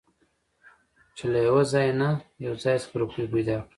چې له يوه ځاى نه يو ځاى خڅه روپۍ پېدا کړم .